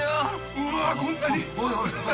うわあこんなに！